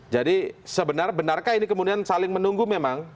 jadi sebenarnya benarkah ini kemudian saling menunggu memang